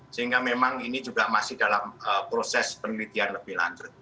sehingga memang ini juga masih dalam proses penelitian lebih lanjut